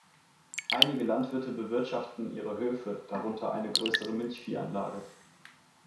Einige Landwirte bewirtschaften ihre Höfe, darunter eine größere Milchviehanlage.